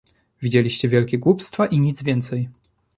"Widzieliście wielkie głupstwa i nic więcej."